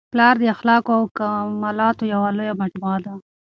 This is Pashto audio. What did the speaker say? پلار د اخلاقو او کمالاتو یوه لویه مجموعه ده.